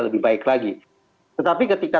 lebih baik lagi tetapi ketika